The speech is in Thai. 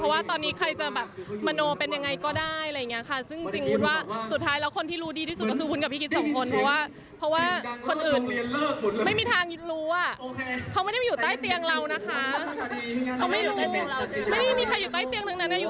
เพราะว่าตอนนี้ใครจะมาโน้มเป็นยังไงก็ได้